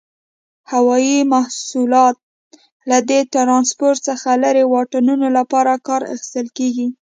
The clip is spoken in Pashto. هوایي مواصلات له دې ترانسپورت څخه لري واټنونو لپاره کار اخیستل کیږي.